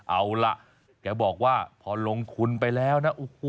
เอาล่ะแกบอกว่าพอลงทุนไปแล้วนะ